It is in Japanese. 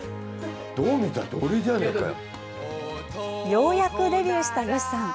ようやくデビューした吉さん。